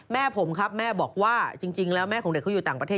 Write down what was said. แม่ผมครับแม่บอกว่าจริงแล้วแม่ของเด็กเขาอยู่ต่างประเทศ